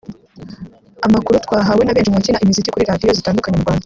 Amakuru twahawe na benshi mu bakina imiziki kuri Radiyo zitandukanye mu Rwanda